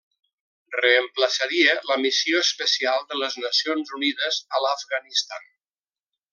Reemplaçaria la Missió Especial de les Nacions Unides a l'Afganistan.